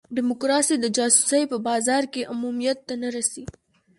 ډیموکراسي د جاسوسۍ په بازار کې عمومیت ته نه رسي.